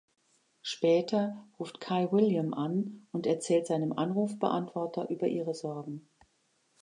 Später ruft Kay William an und erzählt seinem Anrufbeantworter über ihre Sorgen.